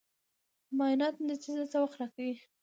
د معاینات نتیجه څه وخت راکوې؟